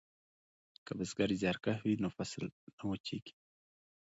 که بزګر زیارکښ وي نو فصل نه وچیږي.